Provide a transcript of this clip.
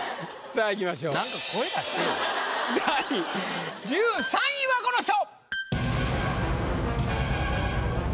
さぁいきましょう第１４位はこの人！